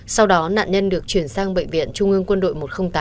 sau đó nạn nhân được chuyển sang bệnh viện trung ương quân đội một trăm linh tám